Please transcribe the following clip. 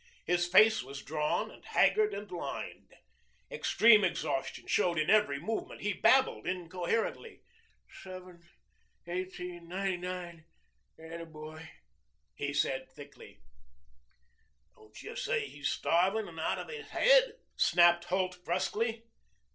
His face was drawn and haggard and lined. Extreme exhaustion showed in every movement. He babbled incoherently. "Seven eighteen ninety nine. 'Atta boy," he said thickly. "Don't you see he's starving and out of his head?" snapped Holt brusquely.